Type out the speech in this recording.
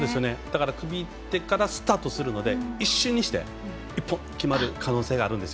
組み手からスタートするので一瞬して一本が決まる可能性があります。